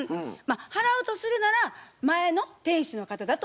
払うとするなら前の店主の方だと思います。